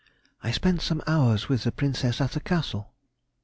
_—I spent some hours with the Princess at the Castle.